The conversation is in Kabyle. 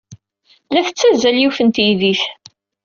La tettazzal yiwet n teydit.